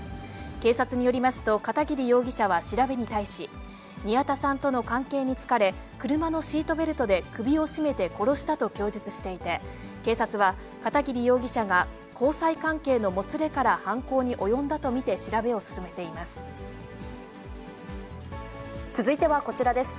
警察によりますと、片桐容疑者は調べに対し、宮田さんとの関係に疲れ、車のシートベルトで首を絞めて殺したと供述していて、警察は、片桐容疑者が交際関係のもつれから犯行に及んだと見て調べを進め続いてはこちらです。